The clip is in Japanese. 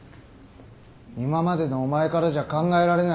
今までのお前からじゃ考えられない。